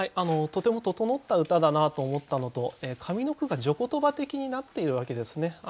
とても整った歌だなと思ったのと上の句が序ことば的になっているわけですね。